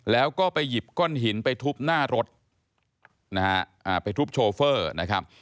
แล้วก็ไปหยิบก้อนหินไปทุบหน้ารถนะฮะไปทุบโชเฟอร์นะครับ